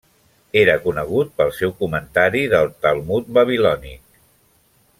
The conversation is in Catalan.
Era conegut pel seu comentari del Talmud babilònic.